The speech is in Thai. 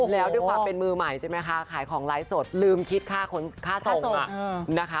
แล้วด้วยความเป็นมือใหม่ใช่ไหมคะขายของไลฟ์สดลืมคิดค่าส่งนะคะ